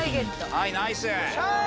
はいナイス。